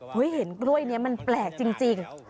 เห็นกล้วยนี้มันแปลกจริง